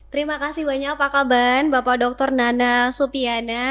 terima kasih banyak pak kaban bapak dr nana supiana